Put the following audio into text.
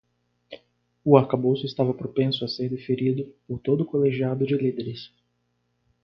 O arcabouço estava propenso a ser deferido por todo o colegiado de líderes